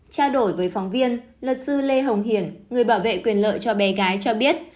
trao đổi với phóng viên luật sư lê hồng hiển người bảo vệ quyền lợi cho bé gái cho biết